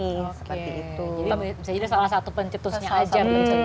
oke jadi bisa jadi salah satu pencetusnya aja